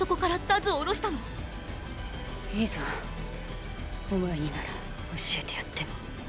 いいぞお前になら教えてやっても。